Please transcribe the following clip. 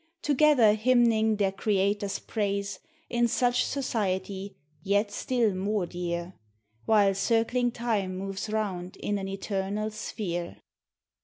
Together hymning their Creator's praise, In such society, yet still more dear; While circling Time moves round in an eternal sphere.